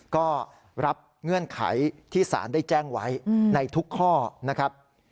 ก็รับเงื่อนไขที่สารได้แจ้งไว้ในทุกข้อนะครับ